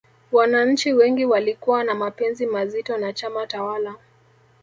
wananchi wengi walikuwa na mapenzi mazito na chama tawala